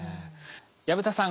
薮田さん